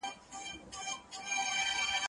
زه کولای سم چپنه پاک کړم؟!